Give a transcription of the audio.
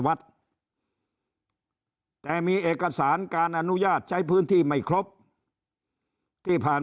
วัดแต่มีเอกสารการอนุญาตใช้พื้นที่ไม่ครบที่ผ่าน